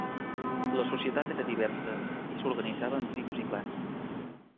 La societat era diversa i s'organitzava en tribus i clans.